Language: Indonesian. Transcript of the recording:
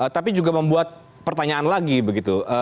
tapi juga membuat pertanyaan lagi begitu